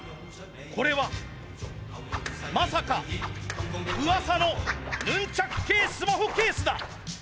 これはまさかうわさのヌンチャク系スマホケースだ。